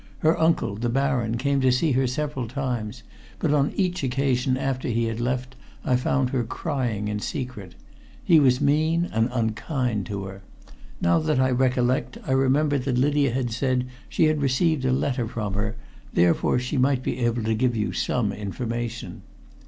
Her uncle, the Baron, came to see her several times, but on each occasion after he had left I found her crying in secret. He was mean and unkind to her. Now that I recollect, I remember that Lydia had said she had received a letter from her, therefore she might be able to give you some information."